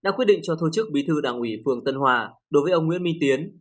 đã quyết định cho thôi chức bí thư đảng ủy phường tân hòa đối với ông nguyễn minh tiến